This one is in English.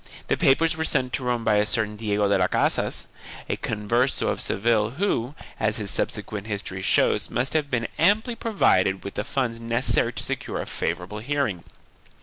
The papers were sent to Rome by a certain Diego de las Casas, a Converse of Seville who, as his subsequent history shows, must have been amply provided with the funds necessary to secure a favorable hearing.